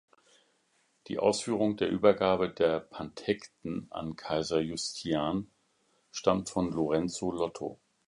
Die Ausführung der Übergabe der Pandekten an Kaiser Justinian stammt von Lorenzo Lotto.